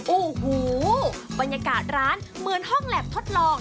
โอ้โหบรรยากาศร้านเหมือนห้องแล็บทดลอง